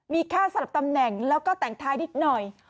มีค่าสลับตำแหน่งแล้วก็แต่งท้ายนิดหน่อย